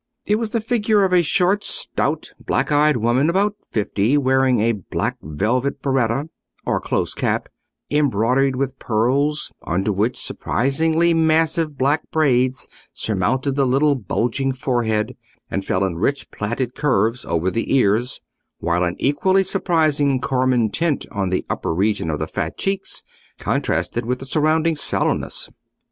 It was the figure of a short stout black eyed woman, about fifty, wearing a black velvet berretta, or close cap, embroidered with pearls, under which surprisingly massive black braids surmounted the little bulging forehead, and fell in rich plaited curves over the ears, while an equally surprising carmine tint on the upper region of the fat cheeks contrasted with the surrounding sallowness.